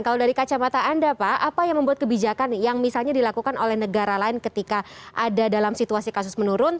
kalau dari kacamata anda pak apa yang membuat kebijakan yang misalnya dilakukan oleh negara lain ketika ada dalam situasi kasus menurun